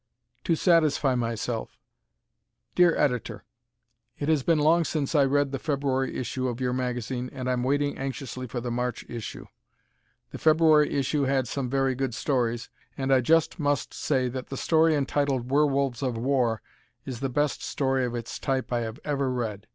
"To Satisfy Myself" Dear Editor: It has been long since I read the February issue of your magazine and I'm waiting anxiously for the March issue. The February issue had some very good stories, and I just must say that the story entitled "Werewolves of War," is the best story of its type I have ever read.